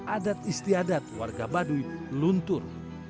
adat istiadat warga baduy luntur